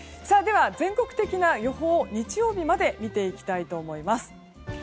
では、全国的な予報を日曜日まで見ていきたいと思います。